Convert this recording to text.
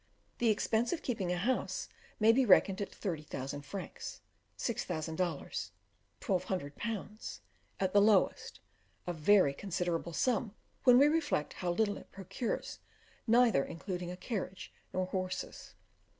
The expense of keeping a house may be reckoned at 30,000 francs (6,000 dollars 1,200 pounds) at the lowest; a very considerable sum, when we reflect how little it procures, neither including a carriage nor horses.